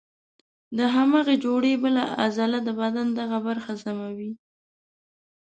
د همدغې جوړې بله عضله د بدن دغه برخه سموي.